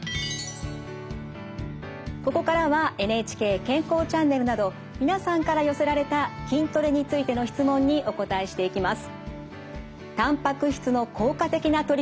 ここからは「ＮＨＫ健康チャンネル」など皆さんから寄せられた筋トレについての質問にお答えしていきます。